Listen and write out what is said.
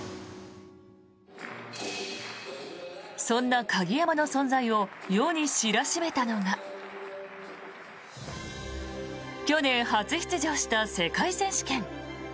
そんな鍵山の存在を世に知らしめたのが去年初出場した世界選手権。